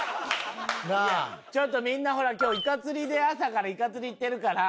ちょっとみんなほら今日イカ釣りで朝からイカ釣り行ってるから。